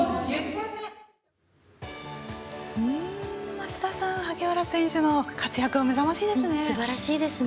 増田さん萩原選手の活躍はすばらしいですね。